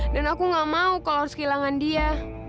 dan aku gak mau kalau harus kehilangan dia